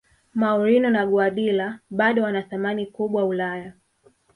mourinho na guardiola bado wana thamani kubwa ulaya